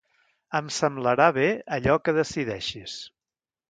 Em semblarà bé allò que decideixis.